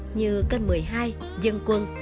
như cênh một mươi hai dân quân